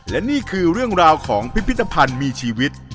และนี่คือเรื่องราวของพิพิธภัณฑ์มีชีวิต